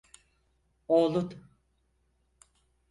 Oğlun.